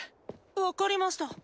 わかりました。